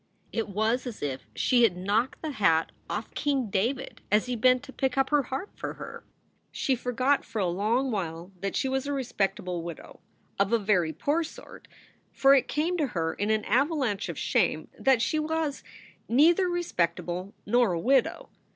It was as if she had knocked the hat off King David as he bent to pick up her harp for her. She forgot for a long while that she was a respectable widow of a very poor sort, for it came to her in an avalanche of shame that she was neither respectable nor a widow.